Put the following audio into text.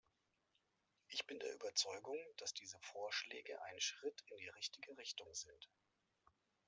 Ich bin der Überzeugung, dass diese Vorschläge ein Schritt in die richtige Richtung sind.